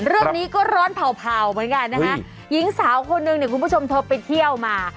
เรื่องนี้ก็ร้อนเผ่าเหมือนกันนะคะหญิงสาวคนนึงเนี่ยคุณผู้ชมเธอไปเที่ยวมา